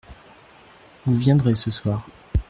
Vous viendrez ce soir.